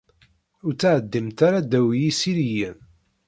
Ur ttɛeddimt ara ddaw yisiliyen.